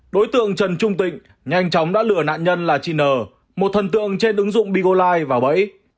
đối tượng trần trung tịnh nhanh chóng đã lừa nạn nhân là chị n một thần tượng trên ứng dụng bigolai vào bẫy